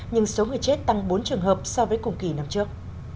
nhưng số người chết tăng bốn trường hợp so với cùng kỳ năm trước